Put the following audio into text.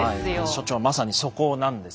所長まさにそこなんですよね。